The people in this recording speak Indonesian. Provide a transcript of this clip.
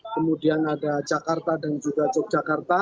kemudian ada jakarta dan juga yogyakarta